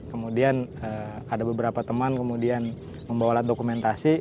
kemudian ada beberapa teman kemudian membawalah dokumentasi